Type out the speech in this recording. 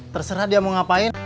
terserah dia mau ngapain